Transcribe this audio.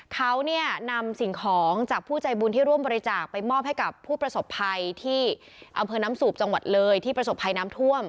เขาเนี่ยนำสิ่งของจากผู้ใจบุญที่ร่วมบริจาคไปมอบให้กับผู้ประสบภัยที่อำเภอน้ำสูบจังหวัดเลยที่ประสบภัยน้ำท่วม